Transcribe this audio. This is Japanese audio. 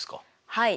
はい。